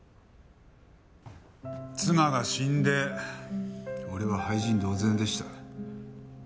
妻が死んで俺は廃人同然でした。